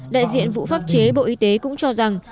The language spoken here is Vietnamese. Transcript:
đại diện vụ pháp chế bộ y tế cũng cho rằng